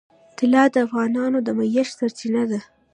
طلا د افغانانو د معیشت سرچینه ده.